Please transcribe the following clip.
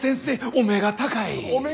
お目が高い！